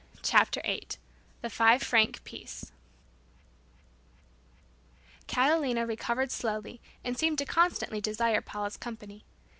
CHAPTER EIGHT THE FIVE FRANC PIECE Catalina recovered slowly and seemed to constantly desire Paula's company.